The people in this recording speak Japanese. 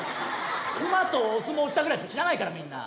熊とお相撲したぐらいしか知らないからみんな。